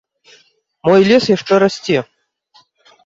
Мой лес яшчэ расце.